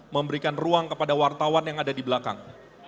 memberikan ruang kepada wartawan yang ada di belakang